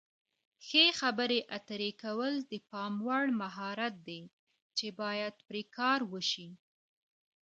ښې خبرې اترې کول د پام وړ مهارت دی چې باید پرې کار وشي.